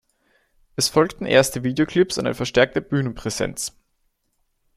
Es folgten erste Videoclips und eine verstärkte Bühnenpräsenz.